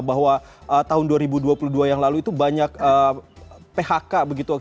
bahwa tahun dua ribu dua puluh dua yang lalu itu banyak phk begitu